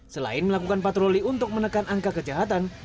selain melakukan patroli untuk menekan angka kejahatan